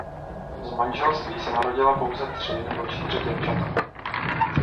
Z manželství se narodila pouze tři nebo čtyři děvčata.